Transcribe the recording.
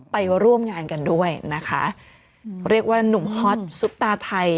ไปร่วมงานกันด้วยนะคะเรียกว่าหนุ่มฮอตซุปตาไทย